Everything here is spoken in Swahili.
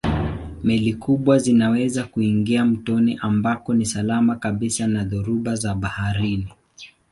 Meli kubwa zinaweza kuingia mtoni ambako ni salama kabisa na dhoruba za baharini.